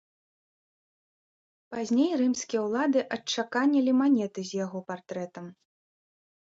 Пазней рымскія ўлады адчаканілі манеты з яго партрэтам.